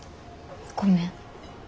ごめん。